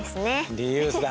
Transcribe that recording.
リユースだ！